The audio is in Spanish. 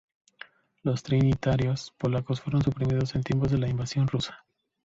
Los trinitarios polacos fueron suprimidos en tiempos de la invasión rusa.